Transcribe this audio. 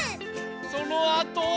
そのあとは。